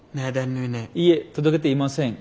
いえ届けていません。